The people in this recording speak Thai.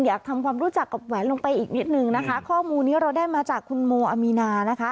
อยากทำความรู้จักกับแหวนลงไปอีกนิดนึงนะคะข้อมูลนี้เราได้มาจากคุณโมอามีนานะคะ